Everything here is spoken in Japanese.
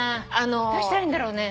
どうしたらいいんだろうね。